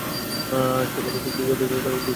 সেই রাতে ঠিক কী ঘটেছিল তা কেবল দুজনই জানে।